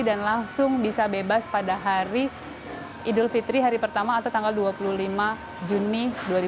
dan langsung bisa bebas pada hari idul fitri hari pertama atau tanggal dua puluh lima juni dua ribu tujuh belas